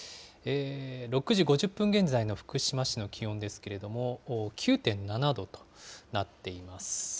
６時５０分現在の福島市の気温ですけれども、９．７度となっています。